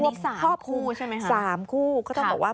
พ่อคู่ใช่ไหมคะ๓คู่ก็ต้องบอกว่า